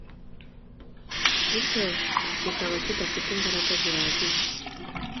bityo kikaba kidafite imbaraga zihagije